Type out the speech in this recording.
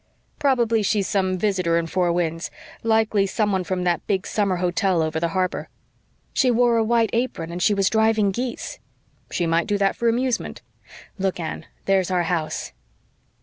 "Probably she's some visitor in Four Winds likely some one from that big summer hotel over the harbor." "She wore a white apron and she was driving geese." "She might do that for amusement. Look, Anne there's our house."